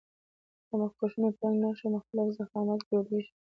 دا مخکشونه په رنګ، نقش او مختلف ضخامت جوړیږي.